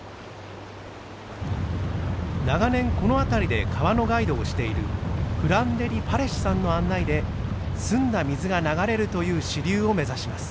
長年この辺りで川のガイドをしているフランデリ・パレシさんの案内で澄んだ水が流れるという支流を目指します。